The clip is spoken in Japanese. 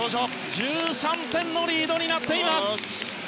１３点のリードになっています。